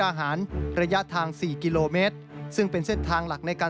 ทำให้เกิดปัชฎพลลั่นธมเหลืองผู้สื่อข่าวไทยรัฐทีวีครับ